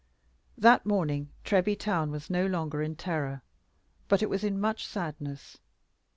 That morning Treby town was no longer in terror; but it was in much sadness.